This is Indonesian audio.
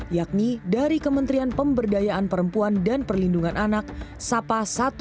yakni dari kementerian pemberdayaan perempuan dan perlindungan anak sapa satu ratus dua belas